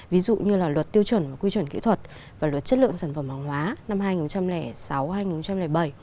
ví dụ như là luật tiêu chuẩn và quy chuẩn kỹ thuật và luật chất lượng sản phẩm hàng hóa năm hai nghìn sáu hai nghìn bảy